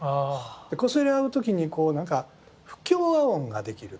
こすれ合う時にこうなんか不協和音ができると。